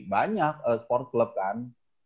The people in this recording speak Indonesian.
banyak sport club kan